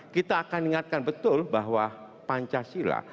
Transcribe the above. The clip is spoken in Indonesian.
kita akan ingatkan betul bahwa pancasila